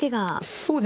そうですね。